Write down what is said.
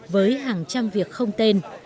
với hàng trăm việc khóa